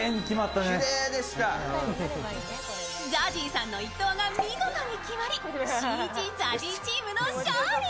ＺＡＺＹさんの一投が見事に決まりしんいち・ＺＡＺＹチームの勝利！